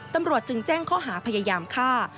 ตำรวจจึงแจ้งข้อหาพยายามฆ่า